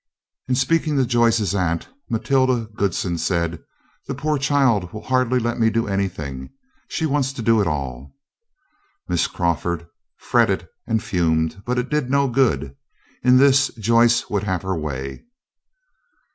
In speaking to Joyce's aunt, Matilda Goodsen said: "The poor child will hardly let me do anything; she wants to do it all." Miss Crawford fretted and fumed, but it did no good. In this Joyce would have her way.